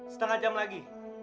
setengah jam lagi